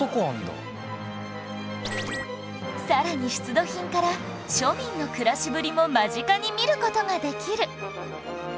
さらに出土品から庶民の暮らしぶりも間近に見る事ができる